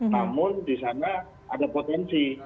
namun di sana ada potensi